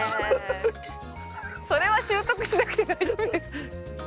それは習得しなくて大丈夫です。